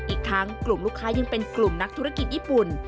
อีกทั้งกลุ่มลูกค้ายังเป็นกลุ่มนักธุรกิจญี่ปุ่น